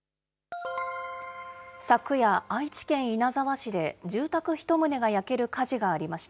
昨夜、愛知県稲沢市で住宅１棟が焼ける火事がありました。